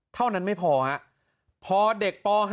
เท่านั้นไม่พอฮะพอเด็กป๕